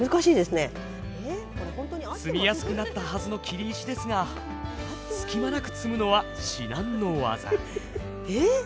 積みやすくなったはずの切石ですが隙間なく積むのは至難の業。え？